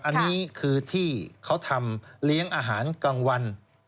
อันนี้คือที่เขาทำเลี้ยงอาหารกลางวัน